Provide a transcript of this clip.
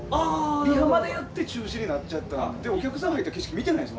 リハまでやって中止になっちゃったんでお客さんが入った景色見てないです